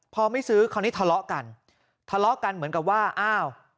พอไม่ซื้อคราวนี้ทะเลาะกันทะเลาะกันเหมือนกับว่าอ้าว